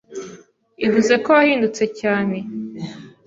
ivuze ko wahindutse yane